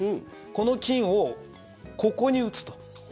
この金をここに打つと。